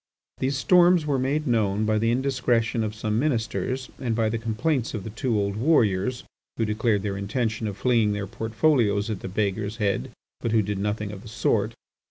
These storms were made known by the indiscretion of some ministers and by the complaints of the two old warriors, who declared their intention of flinging their portfolios at the beggar's head, but who did nothing of the sort.